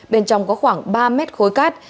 bên trong có khoảng ba mét khối cát